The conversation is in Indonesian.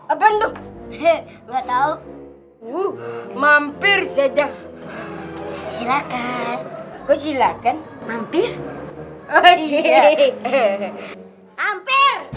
apa itu hehehe nggak tahu uh mampir sedang silakan silakan mampir